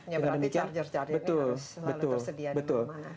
ya berarti charger charger ini harus selalu tersedia di rumah